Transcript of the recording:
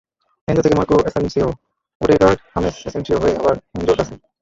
Enzo থেকে Marco Asensio, Odegaard, James, Asensio হয়ে আবার এনজোর কাছে।